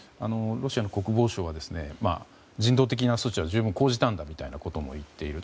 ロシアの国防省は人道的な措置は十分講じたみたいなことも言っている。